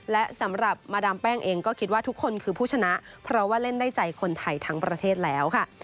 และสำหรับมาดามแป้งเองก็คิดว่าทุกคนคือผู้ชนะเพราะว่าเล่นได้ใจคนไทยทั้งประเทศแล้วค่ะ